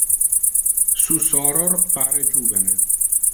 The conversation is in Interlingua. Su soror pare juvene.